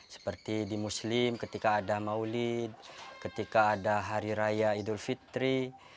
seperti di muslim ketika ada maulid ketika ada hari raya idul fitri